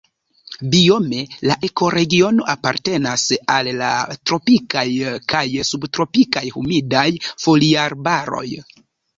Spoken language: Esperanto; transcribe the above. Biome la ekoregiono apartenas al la tropikaj kaj subtropikaj humidaj foliarbaroj.